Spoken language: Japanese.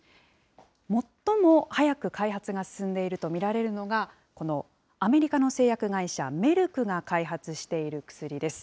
最も早く開発が進んでいると見られるのが、このアメリカの製薬会社、メルクが開発している薬です。